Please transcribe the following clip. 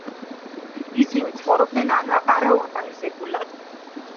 ისინი ცხოვრობდნენ არაორგანიზებულად.